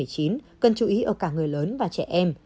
cần chú ý ở cả người lớn và trẻ em